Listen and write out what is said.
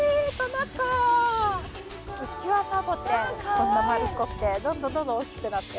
こんな丸っこくてどんどんどんどん大きくなって。